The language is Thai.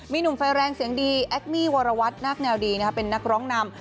มีหนุ่มไฟแรงเสียงดีแอคมี่วรวัตนาคแนวดีเป็นนักร้องนำ